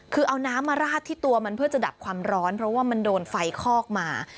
คือเอาน้ำมาราดที่ตัวมันเพื่อจะดับความร้อนเพราะว่ามันโดนไฟคอกมา